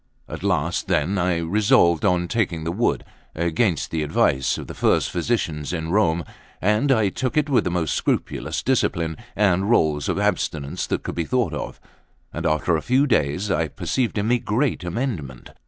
At last, then, I resolved on taking the wood, against the advice of the first physicians in Rome; and I took it with the most scrupulous discipline and rules of abstinence that could be thought of; and after a few days, I perceived in me a great amendment.